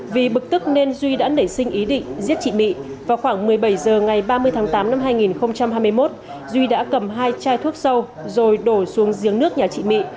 vì bực tức nên duy đã nảy sinh ý định giết chị mị vào khoảng một mươi bảy h ngày ba mươi tháng tám năm hai nghìn hai mươi một duy đã cầm hai chai thuốc sâu rồi đổ xuống giếng nước nhà chị mị